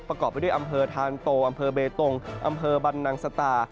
ประกอบไปด้วยอำเภอธานโตอำเภอเบตงอำเภอบรรนังสตา